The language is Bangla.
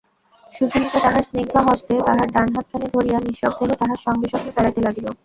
সুচরিতা তাহার স্নিগ্ধ হস্তে তাঁহার ডান হাতখানি ধরিয়া নিঃশব্দে তাঁহার সঙ্গে সঙ্গে বেড়াইতে লাগিল।